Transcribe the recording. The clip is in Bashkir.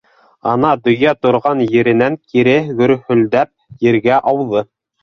Ана, дөйә торған еренән кире гөрһөлдәп ергә ауҙы.